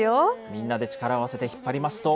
みんなで力を合わせて引っ張りますと、